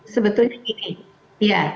sebetulnya gini ya